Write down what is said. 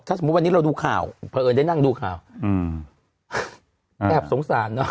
ถ้าสมมุติวันนี้เราดูข่าวเผอิญได้นั่งดูข่าวอืมแอบสงสารเนอ